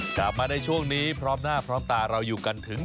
กลับมาในช่วงนี้พร้อมหน้าพร้อมตาเราอยู่กันถึง